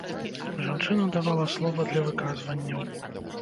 Жанчына давала слова для выказванняў.